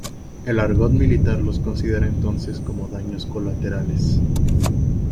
El argot militar los considera entonces como daños colaterales.